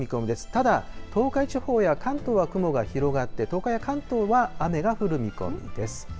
ただ、東海地方や関東は雲が広がって、東海や関東は雨が降る見込みです。